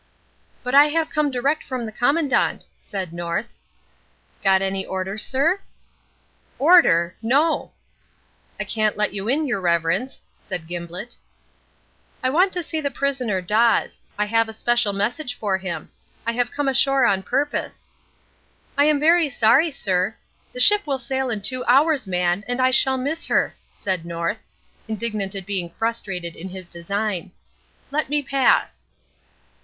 "But I have come direct from the Commandant," said North. "Got any order, sir?" "Order! No." "I can't let you in, your reverence," said Gimblett. "I want to see the prisoner Dawes. I have a special message for him. I have come ashore on purpose." "I am very sorry, sir " "The ship will sail in two hours, man, and I shall miss her," said North, indignant at being frustrated in his design. "Let me pass."